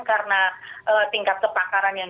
karena tingkat kepakaran yang